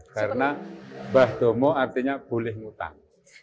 karena bahdomo artinya boleh ngutang